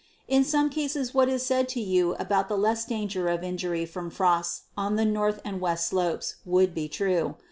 In some cases what is said to you about the less danger of injury from frosts on the north and west slopes would be true.